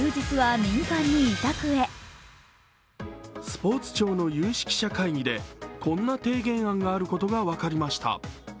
スポーツ庁の有識者会議でこんな提言案があることが分かりました。